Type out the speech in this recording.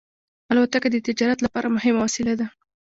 الوتکه د تجارت لپاره مهمه وسیله ده.